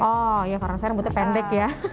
oh ya karena saya rambutnya pendek ya